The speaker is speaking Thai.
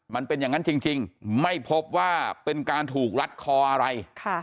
มันเป็นอย่างนั้นจริงไม่พบว่าเป็นการถูกรัดคออะไร